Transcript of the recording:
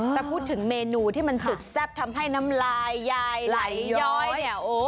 ถ้าพูดถึงเมนูที่มันสุดแซ่บทำให้น้ำลายยายไหลย้อยเนี่ย